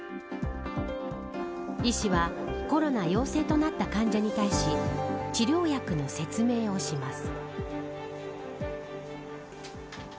医師はコロナ陽性となった患者に対し治療薬の説明をします。